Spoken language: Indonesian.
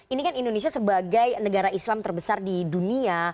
ini kan indonesia sebagai negara islam terbesar di dunia